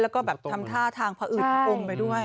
แล้วก็ทำท่าทางพะอึดอมไปด้วย